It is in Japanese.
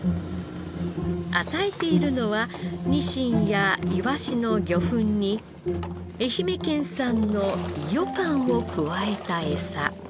与えているのはニシンやイワシの魚粉に愛媛県産の伊予柑を加えたエサ。